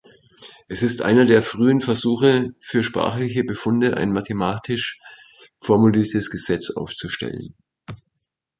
Es ist einer der frühen Versuche, für sprachliche Befunde ein mathematisch formuliertes Gesetz aufzustellen.